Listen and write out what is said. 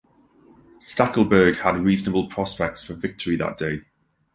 Stackelberg had reasonable prospects for victory that day.